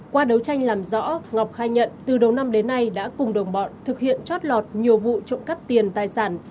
qua đấu tranh làm rõ ngọc khai nhận từ đầu năm đến nay đã cùng đồng bọn thực hiện chót lọt nhiều vụ trộm cắp tiền tài sản